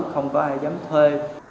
không có ai dám thuê